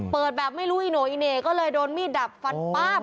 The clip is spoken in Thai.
เปิดแบบไม่รู้อีโน่อีเหน่ก็เลยโดนมีดดับฟันป๊าบ